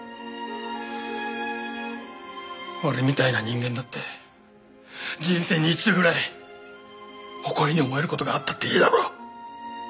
俺みたいな人間だって人生に一度ぐらい誇りに思える事があったっていいだろ？